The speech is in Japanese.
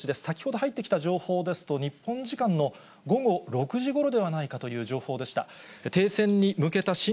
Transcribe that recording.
先ほど入ってきた情報ですと、日本時間の午後６時ごろではないかという情報でした。